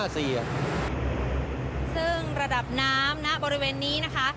ซึ่งระดับน้ำณบริเวณนี้นะคะ